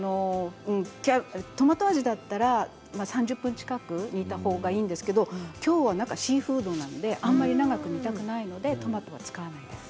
トマト味だったら３０分近く煮たほうがいいんですけどきょうは中がシーフードなのであまり長く煮たくないのでトマトは使わないです。